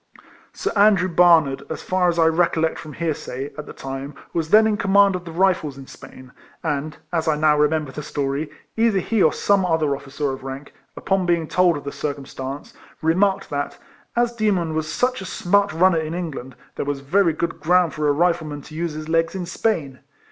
Sir Andrew Barnard, as far as I recollect from hearsay, at the time, was then in command of the Rifles in Spain ; RIFLEMAN HARRIS. 251 and, as I now remember the story, either he or some other officer of rank, upon being told of the circumstance, remarked that, as Demon was such a smart runner in England, there was very good ground for a Rifleman to use his legs in Spain.